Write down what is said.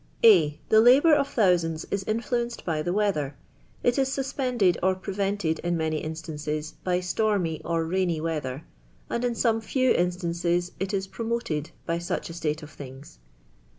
A. The labour of thousands is influenced by the tr. xfhir; it is suspended or prevented in many instance's by stnrmy or riiinT weather; and in some few in'etinces it is promoted by such a state of thiiitfi.